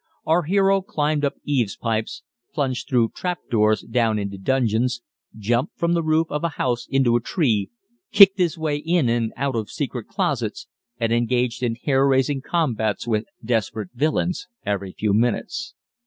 Our hero climbed up eaves pipes, plunged through trap doors down into dungeons, jumped from the roof of a house into a tree, kicked his way in and out of secret closets, and engaged in hair raising combats with desperate villains every few minutes.